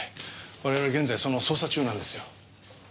我々は現在その捜査中なんですよ。